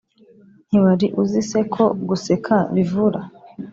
ntiwari uzi se ko guseka bivura